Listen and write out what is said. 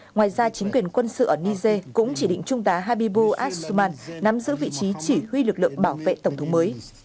ngoài ra chính quyền quân sự ở niger cũng chỉ định trung tá habibu asuman nắm giữ vị trí chỉ huy lực lượng bảo vệ tổng thống mới